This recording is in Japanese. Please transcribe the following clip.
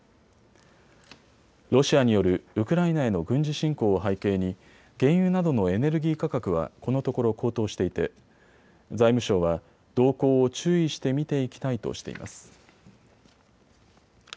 ロシアによるウクライナへの軍事侵攻を背景に原油などのエネルギー価格は、このところ高騰していて財務省は動向を注意して見ていきたいとしています。